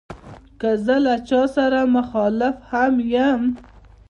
که زه له یو چا سره مخالف هم یم.